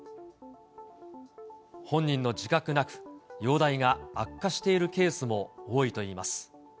本人の自覚なく、容体が悪化しているケースも多いといいます。